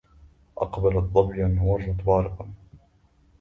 أقبلت ظبيا ومرت بارقا